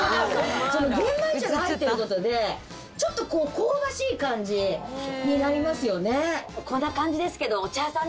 玄米茶が入ってる事でちょっとこう香ばしい感じになりますよね。